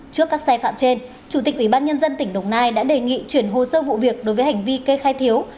trước các sai phạm trên chủ tịch ubnd tỉnh đồng nai đã đề nghị chuyển hồ sơ vụ việc đối với hành vi kê khai thiếu